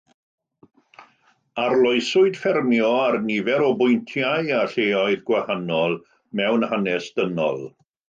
Arloeswyd ffermio ar nifer o bwyntiau a lleoedd gwahanol mewn hanes dynol.